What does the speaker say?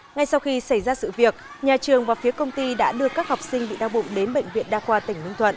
ngay sau khi xảy ra sự việc nhà trường và phía công ty đã đưa các học sinh bị đau bụng đến bệnh viện đa khoa tỉnh ninh thuận